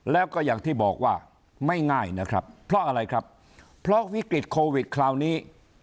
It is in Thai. แล้วก็อย่างที่บอกว่าไม่ง่ายนะครับเพราะอะไรครับเพราะวิกฤตโควิดคราวนี้